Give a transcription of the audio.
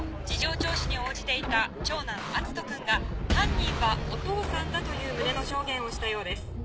事情聴取に応じていた長男篤斗君が「犯人はお父さんだ」という旨の証言をしたようです。